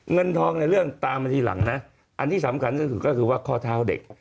เงินทองในเรื่องตามมาทีหลังนะอันที่สำคัญที่สุดก็คือว่าข้อเท้าเด็ก